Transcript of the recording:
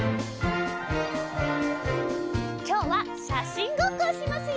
きょうはしゃしんごっこをしますよ。